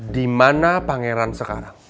di mana pangeran sekarang